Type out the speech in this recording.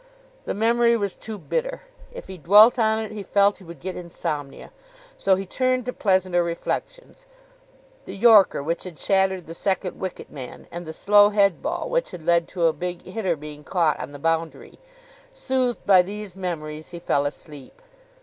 The memory was too bitter. If he dwelt on it, he felt, he would get insomnia. So he turned to pleasanter reflections: the yorker which had shattered the second wicket man, and the slow head ball which had led to a big hitter being caught on the boundary. Soothed by these memories, he fell asleep.